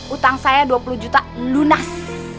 utang saya dua puluh juta lunas